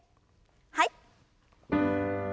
はい。